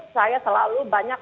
saya selalu banyak